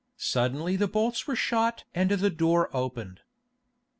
Suddenly the bolts were shot and the door opened.